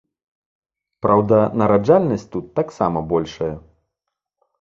Праўда, нараджальнасць тут таксама большая!